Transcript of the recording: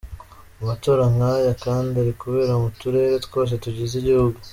Amatora nk’aya kandi ari kubera mu turere twose tugize igihugu.